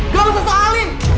gak usah saling